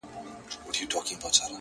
• پتڼ له ګل او لاله زاره سره نه جوړیږي ,